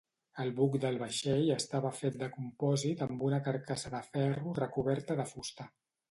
El buc del vaixell estava fet de compòsit amb una carcassa de ferro recoberta de fusta.